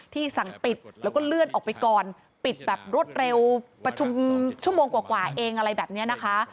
สั่งปิดแล้วก็เลื่อนออกไปก่อนปิดแบบรวดเร็วประชุมชั่วโมงกว่าเองอะไรแบบนี้นะคะ